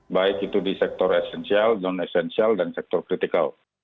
baik itu di sektor esensial non esensial dan sektor kritikal